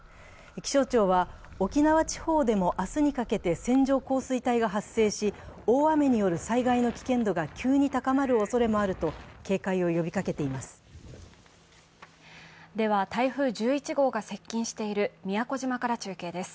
気象庁は沖縄地方でも明日にかけて、線状降雨帯が発生し、大雨による災害の危険度が急に高まるおそれもあると警戒を呼びかけています。